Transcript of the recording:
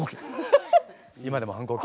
今でも反抗期。